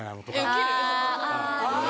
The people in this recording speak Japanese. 「ウケる」